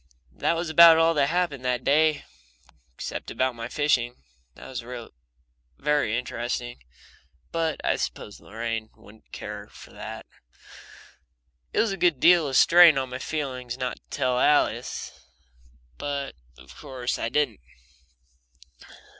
That was about all that happened that day except about my fishing. There was a very interesting but I suppose Lorraine wouldn't care for that. It was a good deal of a strain on my feelings not to tell Alice, but of course I didn't.